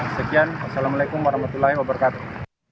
sekian assalamualaikum warahmatullahi wabarakatuh